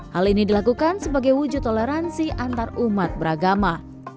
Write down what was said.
hal ini dilakukan sebagai wujud toleransi antar umat beragama